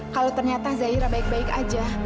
kalau ternyata zaira baik baik aja